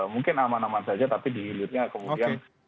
mungkin aman aman saja tapi dihilirnya kemudian